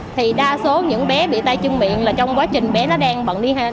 thì đa số những bé bị tay chân miệng là trong quá trình bé nó đang bận đi hơn